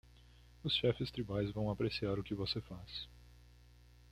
Os chefes tribais vão apreciar o que você faz.